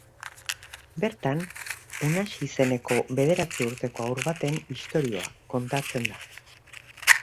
Bertan, Unax izeneko bederatzi urteko haur baten istorioa kontatzen da.